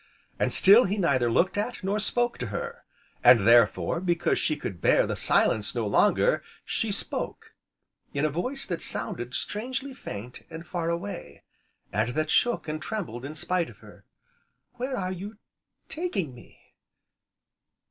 And still he neither looked at, nor spoke to her; and therefore, because she could bear the silence no longer, she spoke in a voice that sounded strangely faint, and far away, and that shook and trembled in spite of her. "Where are you taking me?"